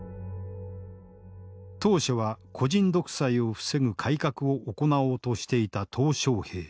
当初は個人独裁を防ぐ改革を行おうとしていた小平。